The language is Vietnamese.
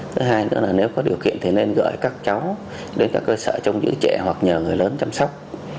thứ hai nữa là nếu có điều kiện thì nên gọi các cháu đến các cơ sở trong giữ trẻ hoặc nhờ người lớn chăm sóc